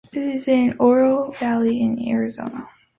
There is an Oro Valley in Arizona.